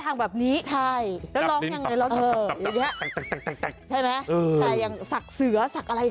ทางสักเสือสักอะไรก็ต้องมี